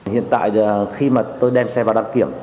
hiện tại khi mà tôi đem xe vào đăng kiểm